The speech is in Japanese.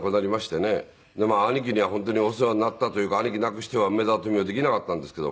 で兄貴には本当にお世話になったというか兄貴なくしては梅沢富美男できなかったんですけど。